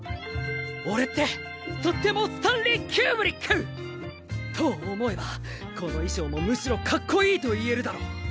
俺ってとってもスタンリー・キューブリック！と思えばこの衣装もむしろかっこいいと言えるだろう。